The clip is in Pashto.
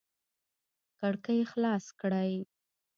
کړکۍ خلاص کړئ